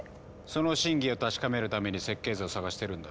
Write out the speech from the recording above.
その真偽を確かめるために設計図をさがしてるんだろ。